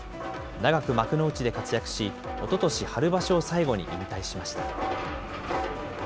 長く幕内で活躍し、おととし春場所を最後に引退しました。